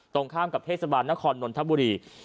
ตรงข้ามกับเทศบาลนครนนทบุรี